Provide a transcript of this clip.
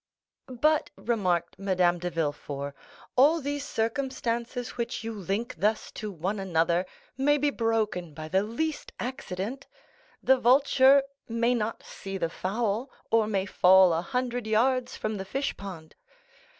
'" "But," remarked Madame de Villefort, "all these circumstances which you link thus to one another may be broken by the least accident; the vulture may not see the fowl, or may fall a hundred yards from the fish pond."